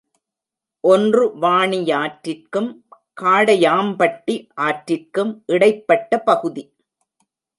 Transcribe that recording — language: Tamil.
ஒன்று வாணியாற்றிற்கும் காடையாம்பட்டி ஆற்றிற்கும் இடைப்பட்ட பகுதி.